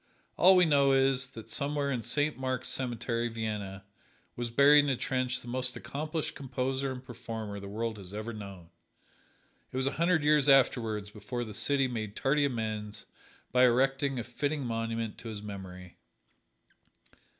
All we know is, that somewhere in Saint Mark's Cemetery, Vienna, was buried in a trench the most accomplished composer and performer the world has ever known. It was a hundred years afterward before the city made tardy amends by erecting a fitting monument to his memory.